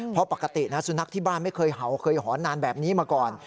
เพราะปกตินะสุนัขที่บ้านไม่เคยเห่าเคยหอนนานแบบนี้มาก่อน